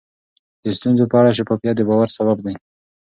د ستونزو په اړه شفافیت د باور سبب دی.